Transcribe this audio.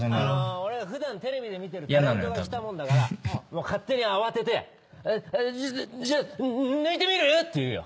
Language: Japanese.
俺普段テレビで見てるタレントが来たもんだから勝手に慌てて「あっじゃあぬ抜いてみる？」って言うよ。